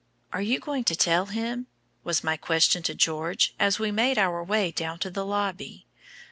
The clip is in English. "Are you going to tell him?" was my question to George as we made our way down to the lobby.